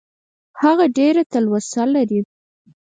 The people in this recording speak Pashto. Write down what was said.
هغه ډېره تلوسه لري .